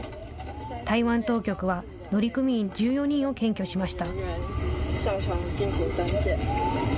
台湾当局は、乗組員１４人を検挙しました。